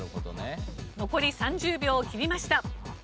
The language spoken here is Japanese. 残り３０秒を切りました。